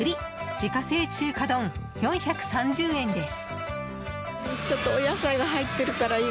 自家製中華丼、４３０円です。